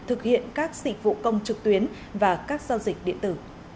thực hiện các dịch vụ công trực tuyến và các giao dịch điện tử